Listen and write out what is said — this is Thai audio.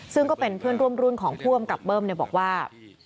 ซึ่งก็เป็นเพื่อนร่วมรุ่นของผู้อำกับเบิ้มบอกว่า